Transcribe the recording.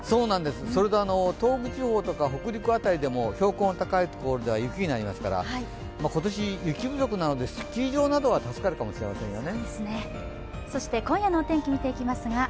それと、東北地方とか北陸辺りでも標高の高い所では雪になりますから、今年、雪不足なのでスキー場などは助かるかもしれないですね。